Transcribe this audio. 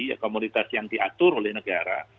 ya komoditas yang diatur oleh negara